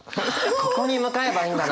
ここに向かえばいいんだな。